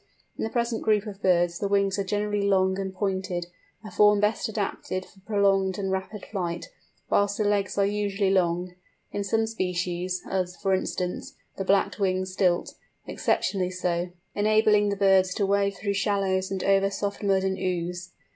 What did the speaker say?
In the present group of birds the wings are generally long and pointed, a form best adapted for prolonged and rapid flight, whilst the legs are usually long—in some species, as, for instance, the Black winged Stilt, exceptionally so—enabling the birds to wade through shallows and over soft mud and ooze.